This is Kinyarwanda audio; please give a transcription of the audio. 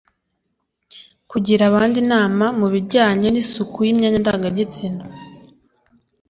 kugira abandi inama mu bijyanye n isuku y imyanya ndangagitsina